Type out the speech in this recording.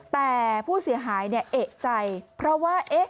แต่ผู้เสียหายเอกใจเพราะว่า